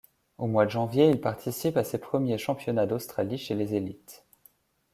Au mois de janvier, il participe à ses premiers championnats d'Australie chez les élites.